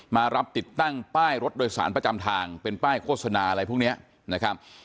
มารับติดตั้งป้ายรถโดยสารประจำทางเป็นป้ายโฆษณาอะไรพวกนี้นะครับ